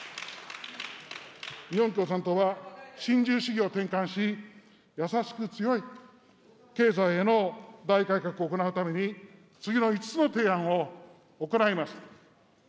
日本共産党は、新自由主義を転換し、やさしく強い経済への大改革を行うために、次の５つの提案を行います。